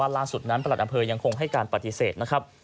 ล่าสุดนั้นประหลัดอำเภอยังคงให้การปฏิเสธนะครับ